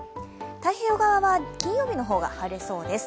太平洋側は金曜日の方が晴れそうです。